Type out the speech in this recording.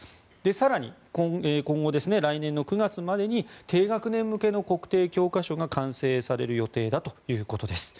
更に今後、来年９月までに低学年向けの国定教科書が完成される予定だということです。